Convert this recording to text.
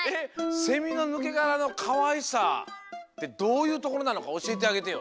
セミのぬけがらのかわいさってどういうところなのかおしえてあげてよ。